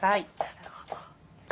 なるほど。